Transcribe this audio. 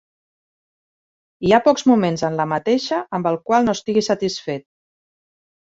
Hi ha pocs moments en la mateixa amb el qual no estigui satisfet.